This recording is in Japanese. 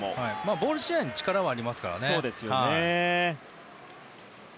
ボール自体に力はありますからね。